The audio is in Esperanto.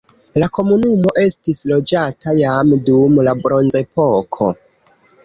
La komunumo estis loĝata jam dum la bronzepoko.